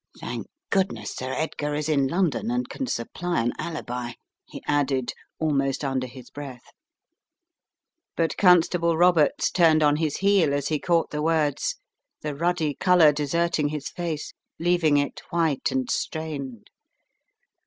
"Thank goodness Sir Edgar is in London and can supply an alibi," he added, almost under his breath. But Constable Roberts turned on his heel as he caught the words, the ruddy colour deserting his face, leaving it white and strained.